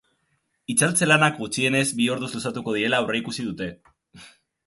Itzaltze lanak gutxienez bi orduz luzatuko direla aurreikusi dute.